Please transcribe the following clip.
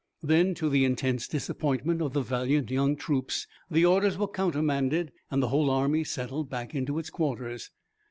Then, to the intense disappointment of the valiant young troops, the orders were countermanded and the whole army settled back into its quarters.